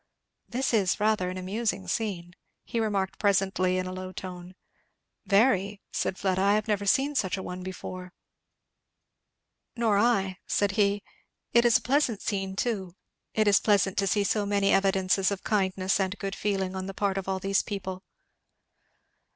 "This is rather an amusing scene," he remarked presently in a low tone. "Very," said Fleda. "I have never seen such a one before." "Nor I," said he. "It is a pleasant scene too, it is pleasant to see so many evidences of kindness and good feeling on the part of all these people."